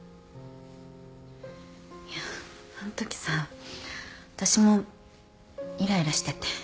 いやあんときさあたしもイライラしてて。